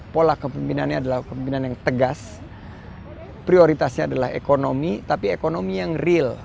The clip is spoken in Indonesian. pola kepemimpinannya adalah kepemimpinan yang tegas prioritasnya adalah ekonomi tapi ekonomi yang real